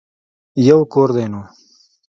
يو کور دی نو.